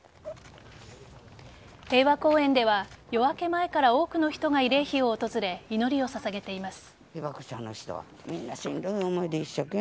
平和公園では夜明け前から多くの人が慰霊碑を訪れ祈りを捧げています。